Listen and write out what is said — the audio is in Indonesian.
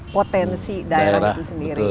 potensi daerah itu sendiri